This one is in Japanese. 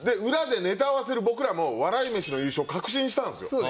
裏でネタ合わせる僕らも笑い飯の優勝を確信したんですよ。